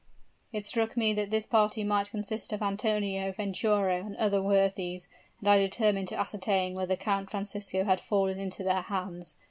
It struck me that this party might consist of Antonio, Venturo, and other worthies, and I determined to ascertain whether Count Francisco had fallen into their hands.